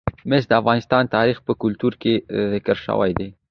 مس د افغان تاریخ په کتابونو کې ذکر شوی دي.